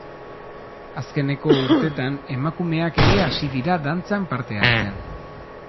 Azkeneko urtetan emakumeak ere hasi dira dantzan parte hartzen.